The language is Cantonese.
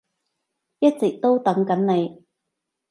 一直都等緊你